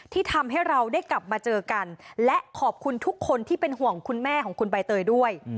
ทำให้เราได้กลับมาเจอกันและขอบคุณทุกคนที่เป็นห่วงคุณแม่ของคุณใบเตยด้วย